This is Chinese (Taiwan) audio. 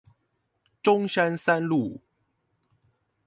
中山三路